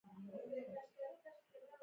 په امریکا، چین، سویلي کوریا او د اروپا